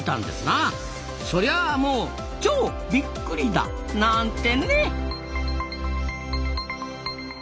そりゃもうチョウびっくりだなんてね。